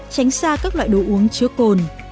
tránh xa các loại đồ uống chứa cồn